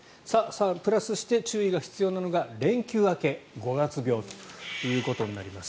プラスして注意が必要なのが連休明け五月病ということになります。